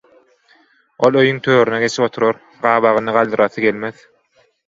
Ol öýüň törüne geçip oturar, gabagyny galdyrasy gelmez.